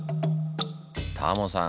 タモさん